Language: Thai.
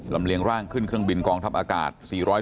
เลียงร่างขึ้นเครื่องบินกองทัพอากาศ